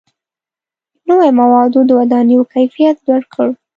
• نوي موادو د ودانیو کیفیت لوړ کړ.